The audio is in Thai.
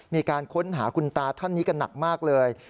มีการค้นหาคุณตาท่านนี้กันหนักมากเลย